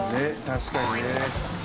確かにね。